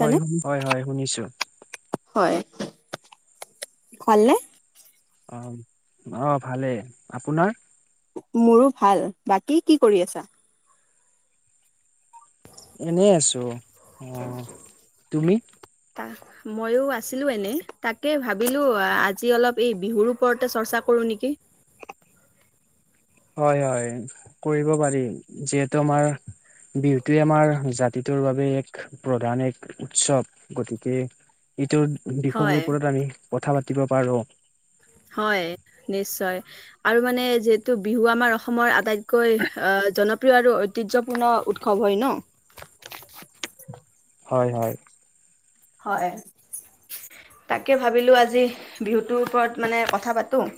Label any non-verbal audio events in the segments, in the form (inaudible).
হয়, হয় - হয় শুনিছোঁ। হয়। হ'ল নে? অ'। অ' ভালে। আপোনাৰ? মোৰো ভাল। বাকী কি কৰি আছা? এনেই আছোঁ। অ' তুমি? মইো আছিলো এনে তাকে ভাবিলো আজি অলপ এই বিহুৰ ওপৰতে চৰ্চা কৰো নেকি? (unintelligible) হয় হয় কৰিব পাৰি যিহেতু আমাৰ বিহুটোৱে আমাৰ জাতিটোৰ বাবে এক প্ৰধান এক উৎসৱ, গতিকে- ইটো বিষয়ৰ হয়, ওপৰত আমি কথা পাতিব পাৰো। হয় নিশ্চয় আৰু মানে যিহেতু বিহু আমাৰ অসমৰ আটাইত কৈ আ জনপ্ৰিয় আৰু ঐতিহ্যপূৰ্ণ উৎসৱ হয় ন হয় হয় হয় তাকে ভাবিলো আজি বিহু টোৰ ওপৰত মানে কথা পাতো-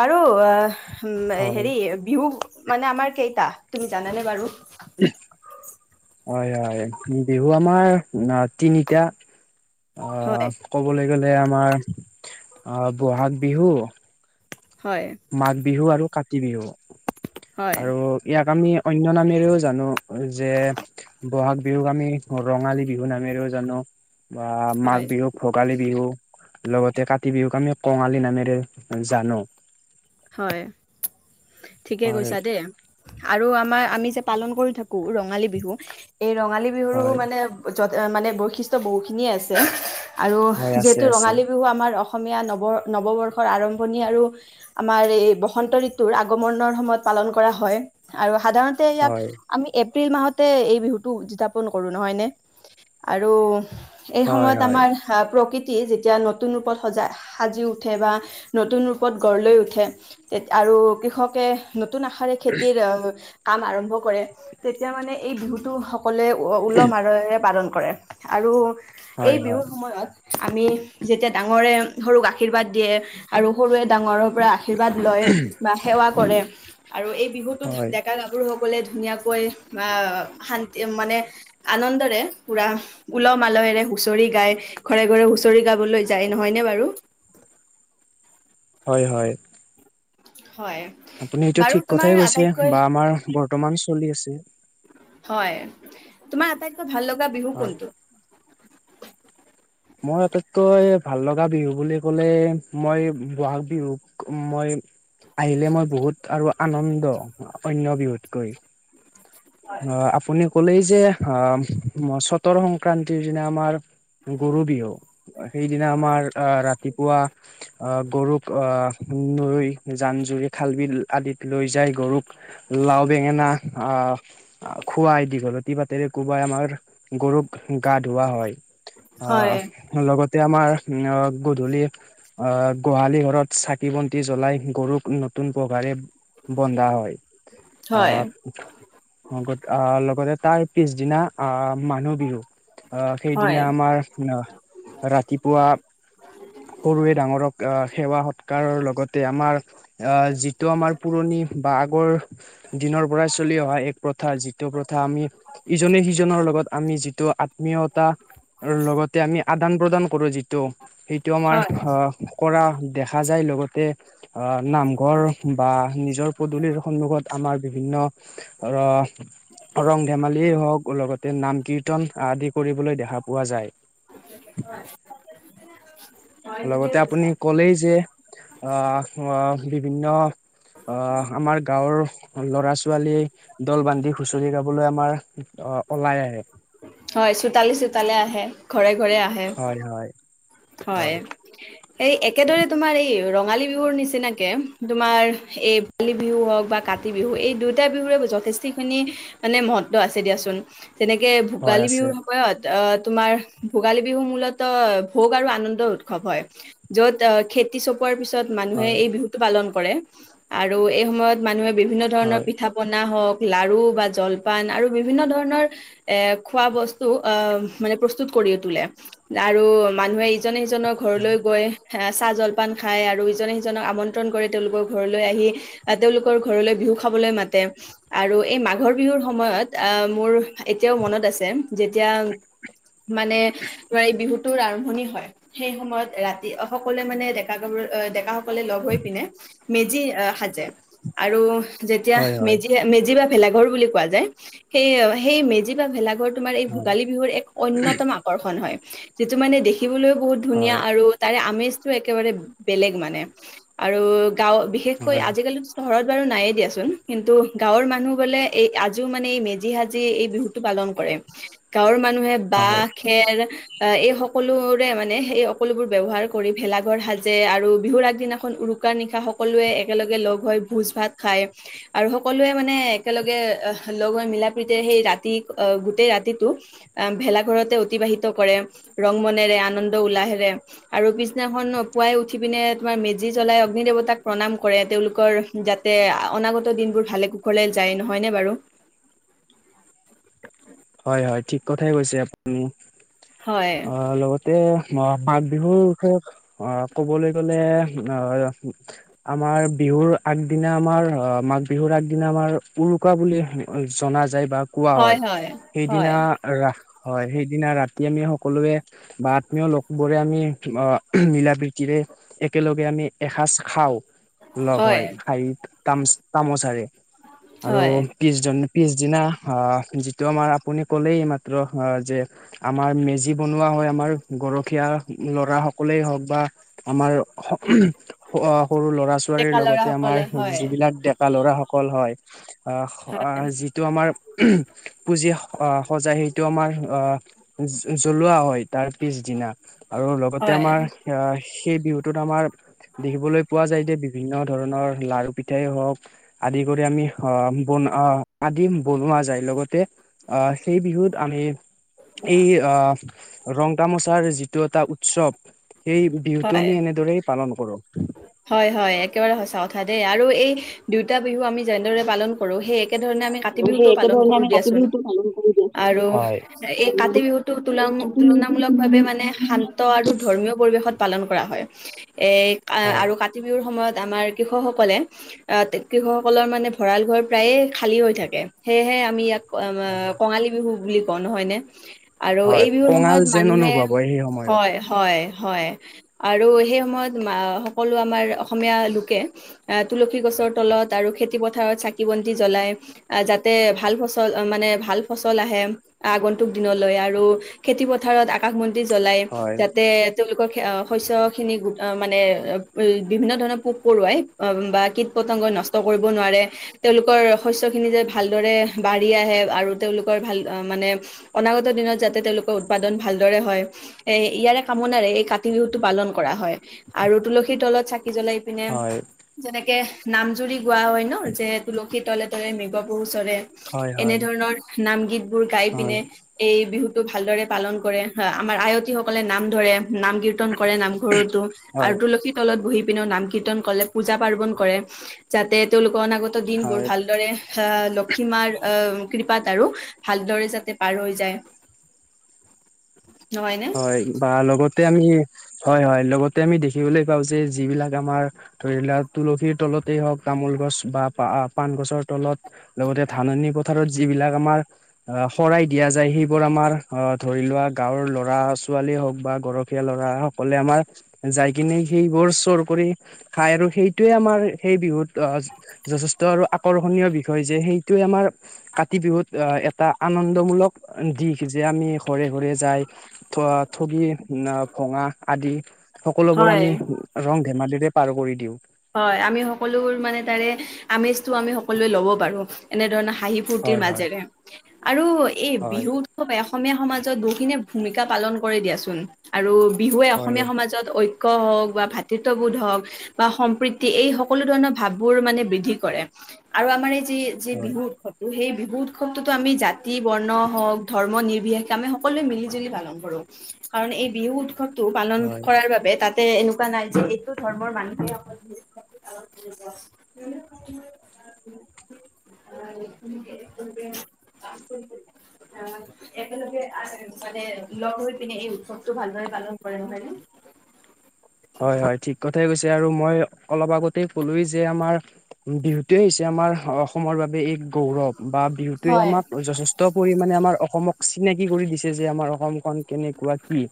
বাৰু হয় হেৰি বিহু মানে আমাৰ কেইটা তুমি জানানে বাৰু উম হয় হয় বিহু আমাৰ তিনিটা অ হয়, কব লাগ কলে আমাৰ অ বহাগ বিহু হয়, মাঘ বিহু আৰু কাতি বিহু হয়, আৰু ইয়াক আমি অন্য নামেৰেও জানো যে বহাগ বিহুক আমি ৰঙালী বিহু নামেৰেও জানো। বা মাঘ হয়। বিহুক ভোগালী- বিহু লগতে কাতি বিহুক আমি কঙালী নামেৰে জানো। হয় ঠিকে হয় কৈছা দে আৰু আ আমাৰ আমি যে পালন কৰি থাকো ৰঙালী বিহু এই ৰঙালী বিহুৰো হয়। মানে- ওচৰত মানে বৈশিষ্ট বহুখিনিয়ে আছে আৰু হয় আছে যিহেতু আছে ৰঙালী বিহু আমাৰ অসম অসমীয়া নৱ নৱবৰ্ষৰ আৰম্ভণি আৰু আমাৰ এই বসন্ত ঋতুৰ, আগমনৰ সময়ত পালন কৰা হয় আৰু সাধাৰণতে ইয়াক হয় আমি এ এপ্ৰিল মাহতে এই বিহুটো উদযাপন কৰোঁ নহয়নে আৰু এই হয় সময়ত হয় আমাৰ প্ৰকৃতি, যেতিয়া নতুন ৰূপত সজা সাজি উঠে বা নতুন ৰূপত গঢ় লৈ উঠে- খে আৰু কৃষকে নতুন আশাৰে খেতিৰ- কাম আৰম্ভ কৰে তেতিয়া মানে এই বিহুতটো সকলোৱে উলহ মালহেৰেপালন কৰে। কৰে আৰু এই হয় বিহুৰ হয় সময়ত- আমি যেতিয়া ডাঙৰে সৰুক আৰ্শীৰ্বাদ দিয়ে আৰু সৰুৱে ডাঙৰৰ পৰা আশীৰ্বাদ লয় বা সেৱা কৰে আৰু এই বিহুটোত হয়। ডেকা গাভৰুসকলে- ধুনীয়াকৈ আ শান্তি মানে আনন্দৰে পুৰা উলহ মালহেৰে হুঁচৰি, গায় ঘৰে ঘৰে হুচৰি গাবলৈ যায় নহয়নে বাৰু হয় হয়। হয় আপুনি এইটো বাৰু ঠিক তোমাৰ কথাই কৈছে আটাইতকৈ বা আমাৰ বৰ্তমান চলি আছে। হয় তোমাৰ আটাইতকৈ ভাল লগা বিহু হয়। কোনটো মই আটাইতকৈ ভাল লগা বিহু বুলি ক'লে মই বহাগ বিহুক মই আহিলে মই বহুত আৰু আনন্দ অন্য বিহুতকৈ অ আপুনি ক'লে যে আ চতৰ সংক্ৰান্তিৰ দিনা আমাৰ গৰু বিহু সেইদিনা আমাৰ আ ৰাতি পুৱা আ গৰুক আ নৈ জান জুৰি খাল বিল আদিত লৈ যায় গৰুক লাও বেঙেনা আ খোৱাই দিঘল লতি পাতেৰে কোবাই আমাৰ গৰুক গা ধুওৱা হয় অ হয় লগত তেয়া আমাৰ অ গধূলি, অ গোহালি, ঘৰত চাকি বন্তি, জ্বলাই, গৰুক, নতুন পখাৰে বন্ধা হয়। হয় অ লগতে তাৰ পিছদিনা আ মানুহ বিহু আ হয় সেইদিনা আমাৰ ৰাতিপুৱা সৰুৱে ডাঙৰক আহ সেৱা সৎকাৰৰ লগতে আমাৰ অ যিটো আমাৰ পুৰণি বা আগৰ দিনৰ পৰাই চলি অহা এক প্ৰথা, যিটো প্ৰথা আমি ইজনে- সিজনৰ লগত আমি যিটো আত্মীয়তা লগত তে আমি আদান-প্ৰদান কৰো যিটো। সেইটো আমাৰ হয় অ কৰা দেখা যায়। লগতে অ নামঘৰ বা নিজৰ পদূলিৰ সন্মুখত আমাৰ বিভিন্ন অ ৰং ধেমালিয়ে হওক লগতে নাম কিৰ কীৰ্তন আদি কৰিবলৈ দেখা পোৱা যায়। (unintelligible) লগতে আপুনি কলেই যে অ অ বিভিন্ন অ আমাৰ গাঁৱৰ ল'ৰা ছোৱালীয়ে দল বান্ধি হুঁচৰি গাব সকলোৱে আমাৰ অ ওলাই আহে হয়, চোতালে-চোতালে আহে, ঘৰে-ঘৰে আহে। হয় হয় হয়। এই একেদৰে তোমাৰ এই ৰঙালী বিহুৰ নিচিনাকে তোমাৰ এই বালী বিহু হওক বা কাতি বিহু এই দুয়োটা বিহুৰে যথেষ্টিখিনি মানে মহত্ব আছে দিয়াচোন। তেনেকে হয় ভোগালী আছে বিহুৰ সময়ত আহ তোমাৰ ভোগালী বিহু মূলতঃ ভোগ আৰু আনন্দ উৎসৱ হয়। য'ত খেতি চপোৱাৰ পিছত মানুহে হয় এই বিহুটো পালন ক কৰে আৰু এই সময়ত মানুহে বিভিন্ন ধৰণৰ হয় পিঠা-পনা হওঁক লাৰু বা জলপান আৰু বিভিন্ন ধৰণৰ এ খোৱা বস্তু অ মানে প্ৰস্তুত কৰি কৰি তোলে আৰু মানুহে ইজনে সিজনৰ ঘৰলৈ গৈ চাহ জলপান খায় আৰু ইজনে সিজনক আমন্ত্ৰণ কৰে তেওঁলোকৰ ঘৰলৈ আহি। আহ তেওঁলোকৰ ঘৰলৈ বি বিহু খাবলৈ মাতে আৰু এই মাঘৰ বিহুৰ সময়ত মোৰ এতিয়াও মনত আছে এতিয়া মানে তোমাৰ এই বিহুটোৰ আৰম ভনি হয় সেই সময়ত ৰাতি সকলোৱে মানে ডেকা-গাভৰু, ডেকা সকলে লগ হৈ পিনে মেজি সাজে আৰু যেতিয়া হয় হয় মেজি মেজি বা ভেলা ঘৰ বুলি কোৱা যায়। সেই মেজি বা ভেলাঘৰ তোমাৰ এই হয় ভোগালী বিহুৰ এক অন্যতম আকৰ্ষণ হয়। যিটো মানে দেখি খিবলৈও বহুত ধুনীয়া হয় আৰু তাৰে আমেজটো একেবাৰে বেলেগ মানে। আৰু গাঁও বিশেষকৈ হয় আজিকালি চহৰত বাৰু নাই দিয়াচোন। কিন্তু গাঁৱৰ মানুহ বোলে এই আজিও মানে এই মেজি সাজি এই বিহুটো পালন কৰে। কৰে। গাঁৱৰ মানুহে বাঁহ, হয় খেৰ এই সকলো মানে সেই সকলোবোৰ ব্যৱহাৰ কৰি ভেলাঘৰ সাজে আৰু বিহুৰ আগদিনাখন উৰুকাৰ নিশা সকলোৱে একেলগে লগ হৈ ভোজ ভাত খায় আৰু সকলোৱে মানে একেলগে লগ হৈ মিলা প্ৰীতিৰে সেই ৰাতি গোটেই ৰাতিটো ভেলাঘৰতে অতিবাহিত কৰে। ৰং মনেৰে আন আনন্দ উলাহেৰে আৰু পিছদিনাখন পুৱাই উঠি পিনে তোমাৰ মেজি জ্বলাই অগ্নি দেৱতাক প্ৰণাম কৰে। তেওঁলোকৰ যাতে অনাগত দিনবোৰ ভালে কুশলে যায়। নহয়নে বাৰু? (inaudible) হয়, হয়। ঠিক কথাই কৈছে আপুনি। হয় অ, লগতে মই মাঘ বিহুৰ বিষয়ে অ ক'বলৈ গ'লে অ আমাৰ বিহু বিহুৰ আগদিনা আমাৰ অ মাঘ বিহুৰ আগদিনা আমাৰ উৰুকা বুলি জনা যায়। যায় বা কোৱা হয় সেইদিনা ৰা হয় সেইদিনা ৰাতি আমি সকলোৱে বা আত্মীয় লোক বোৰে আমি অ মিলা-প্ৰীতি তিৰে একেলগে আমি এসাঁজ খাওঁ। লগ হয়। সাইত তাম তামোচাৰে আৰু হয়, প্ৰিছজন পিছদিনা আ যিটো আমাৰ আপুনি ক'লেই এইমাত্ৰ যে আমাৰ মেজি বনোৱা হয়। আমাৰ গৰখীয়া ল'ৰা সকলেই হওঁক বা আমাৰ স অ সৰু ল'ৰা-ছোৱালীৰ ডেকা লগতে আমাৰ ল'ৰাসকলে হয়, যিবিলাক ডেকা ল'ৰাসকল হয় অ হয়, যিটো আমাৰ পুঁজি অ সজাই সেইটো আমাৰ অ জ্বলোৱা হয় তাৰ পিছদিনা। আৰু লগতে হয়, আমাৰ আহ, সেই বিহুটোত আমাৰ দেখিবলৈ পোৱা যায় যে বি বিভিন্ন ধৰণৰ লাৰু পিঠাই হওক, আদি কৰি আমি আ বন আদি বনোৱা পা যায়, লগতে আহ সেই বিহুত আমি এই আহ ৰং তামচাৰ যিটো এটা উৎসৱ সেই বিহুটো হয়, আমি এনেদৰেই পালন কৰোঁ। হয়, হয়, একেবাৰে সঁচা কথা দেই আৰু এই দুইটা বিহু আমি যেনেদৰে পালন কৰো সেই এ একে ধৰণে আমি কাতি সেই বিহুটোও পালন একেধৰণে কৰো আমি কাতি দিয়াচোন, বিহুটো পালন কৰি দিয়াচোন। আৰু এই আৰু কাতি বিহুটো এই তোলাও কাতি বিহুটোৰ তুলনামূলক ভাৱে মানে শান্ত আৰু ধৰ্মীয় পৰিৱেশত পালন কৰা হয়। এ', হয় আৰু কাতি বিহুৰ সময়ত আমাৰ কৃষকসকলে, আহ কৃষকসকলৰ মানে ভঁৰাল ঘৰ প্ৰায়ে খালী হৈ থাকে, সেয়েহে আমি ইয়াক কঙালী বিহু বুলি কওঁ নহয় নে। আৰু হয় এই বিহুৰ কঙাল সময়ত যেন মানুহে, অনুভৱ হয় সেই সময়ত হয় এ হয়, আৰু সেই সময়ত আ সকলো আমাৰ অসমীয়া লোকে আ তুলসী সী গছৰ তলত আৰু খেতিপথাৰত চাকি-বন্তি জ্বলাই, আ যাতে ভাল মনে ভাল ফচল আহে, আগন্তুক দিনলৈ আৰু খেতি পথাৰত আকাশ বন্তি জ্বলাই, হয় যাতে তেওঁলোক আ শস্য খিনি গো আ মানে, বিভিন্ন ধৰণৰ পোক-পৰুৱাই বা কিত-পতংগ নষ্ট কৰিব নোৱাৰে, তেওঁলোকৰ শস্যখিনি যে ভালদৰে বাঢ়ি আহে আৰু তেওঁলোকৰ ভাল মানে অনাগত দিনত যাতে তেওঁলোকৰ উৎপাদন ভালদৰে হয়, এই ইয়াৰে কামনাৰে এই কাতি বিহুতটো পালন কৰা হয়, আৰু তুলসীৰ তলত চাকি কি জ্বলাই পিনে, হয় যেনেকে নাম জুৰি গোৱা হয় ন' যে, তুলসী তলে ৰে মৃগপহু চৰে, হয় হয় এনেধৰণৰ নাম গীতবোৰ গাই হয় পিনে এই বিহুত টো ভালদৰে পালন কৰে, হ আমাৰ আয়তী সকলে নাম ধৰে। নাম কীৰ্ত্তন কৰে নামঘৰতো আৰু হয় তুলসী তলত বহি পিনেও নাম-কীৰ্তন কৰে, পূজা পাৰ্ৱন কৰে, যাতে তেওঁলোকৰ অনাগত ত' দিনবোৰ হয় ভালদৰে হা লক্ষীমাৰ আ কৃপাত আৰু ভালদৰে যাতে পাৰ হৈ যায়। নহয়নে? হয় বা লগতে আমি সেই হয় হয়, লগতে আমি দেখিবলৈ পাওঁ যে যিবিলাক আমাৰ ধৰি লোৱা তুলসীৰ তলতেই হওঁক, তামোল গছ বা পা-পান গছৰ তলত, লগতে ধাননি পথাৰত যি যিবিলাকৰ আমাৰ আ শৰাই দিয়া যায় সেইবোৰ আমাৰ ধৰিলোৱা, গাওঁৰ ল লৰা-ছোৱালী হওক বা গৰখীয়া ল'ৰা, সকলে আমাৰ যাইকিনে সেইবোৰ চোৰ কৰি খাই আৰু সেইটোয়ে আমাৰ সেই বিহুত যথেষ্ট আৰু আকৰ্ষণীয় বিষয় যে সেইটো আমাৰ কাতি বিহুত এটা আনন্দমূলক দিশ যে আমি ঘৰে-ঘৰে যাই থ-থগি ভঙা আদি, সকলোবোৰ হয় আমি ৰং ধেমালি পাৰ কৰি দিওঁ। হয়, আমি সকলোবোৰ মানে তাৰে আমেজটো আমি সকলোৱে ল'ব পাৰো এনে ধৰণে হাঁহি-ফূৰ্তিৰ হয় হয় মাজেৰে, আৰু এই হয়। বিহু উৎ অসমীয়া সমাজত বহুখিনিয়ে ভূমিকা পালন কৰে দিয়াচোন আৰু বিহুৱে কৰে অসমীয়া সমাজত ঐ ক হওক, বা ভাতৃত্ববোধ হওক, বা সম পৃতি, এই সকলো ধৰণৰ ভাববোৰ মানে বৃদ্ধি কৰে আৰু আমাৰ এই যে ই যে হয় বিহুত উৎসৱটো, সেই বিহু হু উৎসৱটোতো আমি জাতি বৰ্ণ হওক ধৰ্ম নিৰ্বিশষ আমি সকলোৱে মিলি জুলি পালন কৰোঁ। কাৰণ এই বিহু উৎসৱটো পালন হয় কৰাৰ বাবে তাতে এনেকোৱা নাই যে এইটো ধৰ্মৰ মানুহেই অকল (unintelligible) (unintelligible) একেলগে আ মানে লগ হৈ পিনে এই উৎসৱটো ভালদৰে পালন কৰে, নহয় নে? (unintelligible) হয় হয়, ঠিক কথাই কৈছ ছে আৰু মই অলপ আগতে কলোয়েই যে আমাৰ বিহুটোৱে হৈছে আমাৰ অসমৰ বাবে এক গৌৰৱ, বা বিহুটোৱে হয় আমাক যথেষ্ট পৰিমাণে আমাৰ অসমক চিনাকি কৰি দিছে যে আমাৰ অসমখন কেনেকোৱা কি।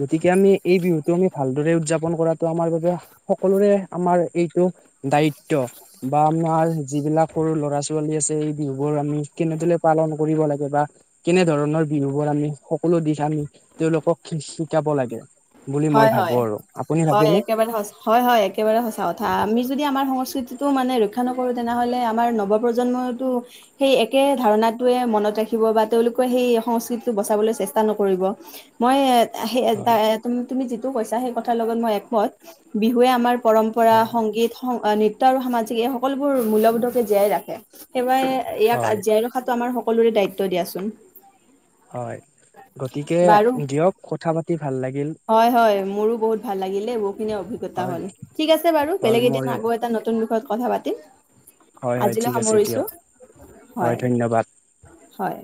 গতিকে আমি এই বিহুটো আমি ভালদৰে উদযাপন কৰাটো আমাৰ বাবে সকলোৰে আমাৰ এইটো দায়িত্ব বা আমাৰ যিবিলাক সৰু ল'ৰা ছোৱালী আছে এই বিহু বোৰ আমি কেনেদৰে পালন কৰিব লাগে বা কেনে ধৰণৰ বিহু বোৰ আমি সকলো দিশ আমি তেওঁলোকক শিকাব লাগে। বুলি মই হয় ভাবো হয় আৰু। আপুনি হয়, ভাবেনে? একেবাৰে সঁচা হয় -হয় একেবাৰে সঁচা। আমি যদি আমাৰ সংস্কৃতিটো মানে ৰক্ষা নকৰো তেনেহলে আমাৰ নৱপ্ৰজন্মতো সেই একে একে ধাৰনাটোৱে মনত ৰাখিব বা তেওঁলোকে সেই সংস্কৃতিটো বচাবলৈ চেষ্টা নকৰিব মই সেই হয় তুমি যিটো কৈছা সেই কথাৰ লগত মই একমত। বিহুৱে আমাৰ পৰম্পৰা হয়। সংগীত নৃত্য আৰু সামাজিক এই সকলোবোৰ মূল্যবোধকে জীয়াই ৰাখে। াই ইয়াক হয় জীয়াই ৰখাটো আমাৰ সকলোৰে দায়িত্ব দিয়াচোন। হয় গতিকে বাৰু দিয়ক কথা পা হয় -হয় মোৰো বহুত ভাল লাগিলে বহুখিনি অভিজ্ঞতা হয় হ'ল। ঠিক আছে বাৰু হ'ল বেলেগ এদিন মোৰ আকৌ এটা ন নতুন বিষয়ত কথা পাতিম। হয় হয় আজিলৈ ঠিক আছে সামৰিছো। দিয়ক হয় হয়।